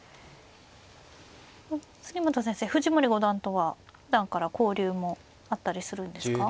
杉本先生藤森五段とはふだんから交流もあったりするんですか。